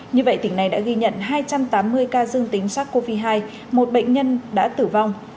như vậy tỉnh này đã ghi nhận hai trăm tám mươi ca dương tính sars cov hai một bệnh nhân đã tử vong